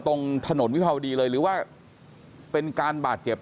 ตรงถนนวิภาวดีเลยหรือว่าเป็นการบาดเจ็บ